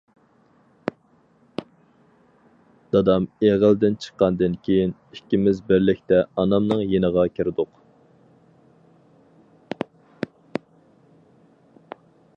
دادام ئېغىلدىن چىققاندىن كىيىن، ئىككىمىز بىرلىكتە ئانامنىڭ يېنىغا كىردۇق.